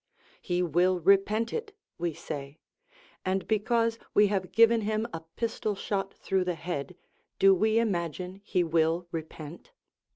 "He will repent it," we say, and because we have given him a pistol shot through the head, do we imagine he will repent?